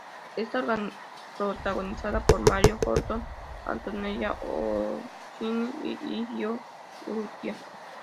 Está protagonizada por Mario Horton, Antonella Orsini y Íñigo Urrutia.